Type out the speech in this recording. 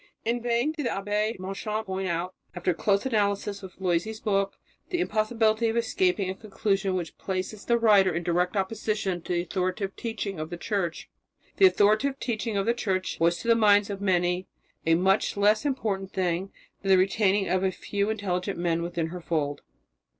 In vain did the Abbé Monchamp point out, after close analysis of Loisy's book, the impossibility of escaping a conclusion which places the writer in direct opposition to the authoritative teaching of the Church. The authoritative teaching of the Church was to the minds of many a much less important thing than the retaining of a few intelligent men within her fold.